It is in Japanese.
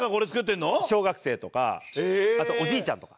小学生とかあとおじいちゃんとか。